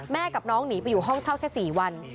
กับน้องหนีไปอยู่ห้องเช่าแค่๔วัน